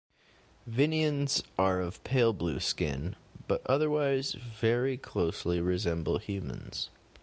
Vineans are of pale blue skin, but otherwise very closely resemble humans.